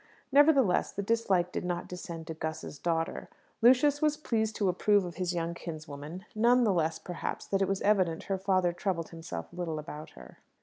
Nevertheless, the dislike did not descend to Gus's daughter. Lucius was pleased to approve of his young kinswoman, none the less, perhaps, that it was evident her father troubled himself little about her.